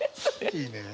いいね。